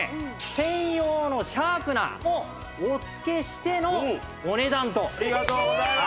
専用のシャープナーもお付けしてのお値段と。